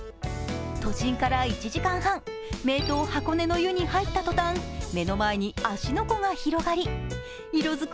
都心から１時間半、名湯箱根の湯に入った途端目の前に芦ノ湖が広がり色づく